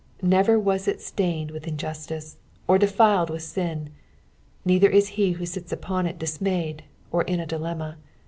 Never was it stained with injustice, or defiled with ain. Neither ia he who sits upon it dismayed, or in a dilemma.